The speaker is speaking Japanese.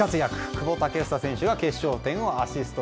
久保建英選手が決勝点をアシスト。